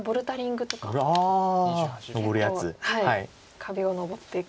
壁を登っていく。